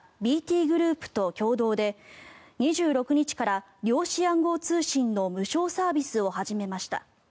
ＢＴグループと共同で２６日から量子暗号通信の無償サービスを始めました。